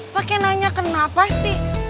pak ik nanya kenapa sih